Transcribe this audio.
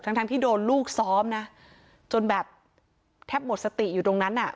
ทั้งทั้งที่โดนลูกซ้อมนะจนแบบแทบหมดสติอยู่ตรงนั้นอ่ะ